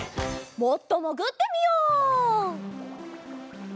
もっともぐってみよう！